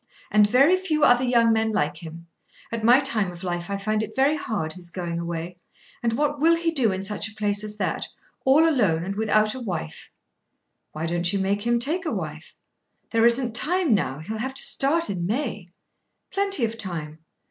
"And very few other young men like him. At my time of life I find it very hard his going away. And what will he do in such a place as that, all alone and without a wife?" "Why don't you make him take a wife?" "There isn't time now. He'll have to start in May." "Plenty of time.